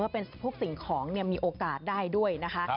เป็นพวกสิ่งของมีโอกาสได้ด้วยนะคะ